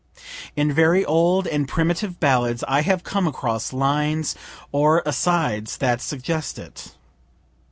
(In very old and primitive ballads I have come across lines or asides that suggest it.)